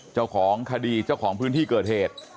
เจ้าของคดีเจ้าของพื้นที่เกิดเหตุ